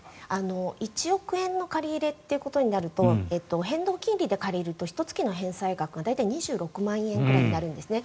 １億円の借り入れっていうことになると変動金利で借りるとひと月の返済額が大体２６万円ぐらいになるんですね。